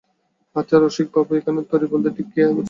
আচ্ছা রসিকবাবু, এখানে তরী বলতে ঠিক কী বোঝাচ্ছে?